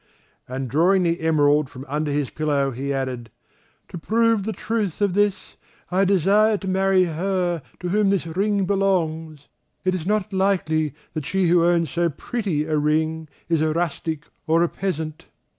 And drawing the emerald from under his pillow he added: "To prove the truth of this, I desire to marry her to whom this ring belongs. It is not likely that she who owns so pretty a ring is a rustic or a peasant."